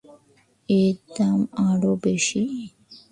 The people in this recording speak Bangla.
এর দাম আরও বেশি।